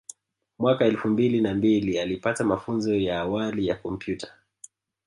Mwaka elfu mbili na mbili alipata mafunzo ya awali ya kompyuta